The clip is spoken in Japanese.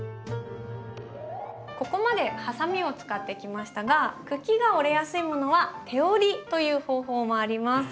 ここまでハサミを使ってきましたが茎が折れやすいものは手折りという方法もあります。